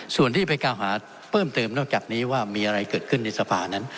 ส่วนที่ไปกล่าวหาเพิ่มเติมนอกจากนี้ว่ามีอะไรเกิดขึ้นในสภานั้น